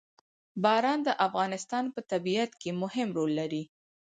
باران د افغانستان په طبیعت کې مهم رول لري.